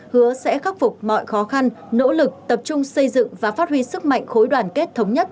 hứa sẽ khắc phục mọi khó khăn nỗ lực tập trung xây dựng và phát huy sức mạnh khối đoàn kết thống nhất